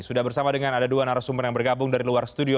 sudah bersama dengan ada dua narasumber yang bergabung dari luar studio